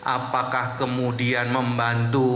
apakah kemudian membantu